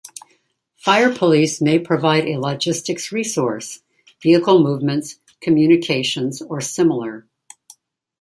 Fire police may provide a logistics resource - vehicle movements, communications or similar.